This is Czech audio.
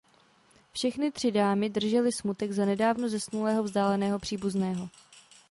Všechny tři dámy držely smutek za nedávno zesnulého vzdáleného příbuzného.